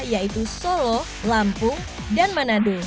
yaitu solo lampung dan manado